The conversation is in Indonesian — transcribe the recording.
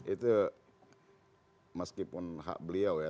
itu meskipun hak beliau ya